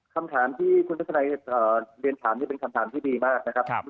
คำถามที่คุณทัศนัยเรียนถามนี่เป็นคำถามที่ดีมากนะครับ